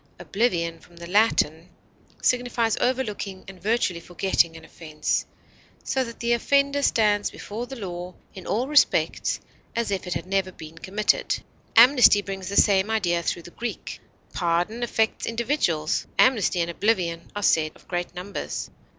Oblivion, from the Latin, signifies overlooking and virtually forgetting an offense, so that the offender stands before the law in all respects as if it had never been committed. Amnesty brings the same idea through the Greek. Pardon affects individuals; amnesty and oblivion are said of great numbers.